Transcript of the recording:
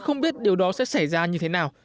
không biết điều đó sẽ xảy ra như thế nào